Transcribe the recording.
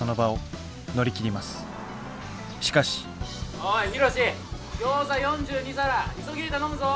おいヒロシギョーザ４２皿急ぎで頼むぞ！